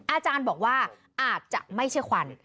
อาจารย์บอกว่าอาจจะไม่ใช่ควัน